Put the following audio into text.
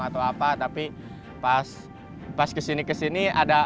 atau apa tapi pas kesini kesini ada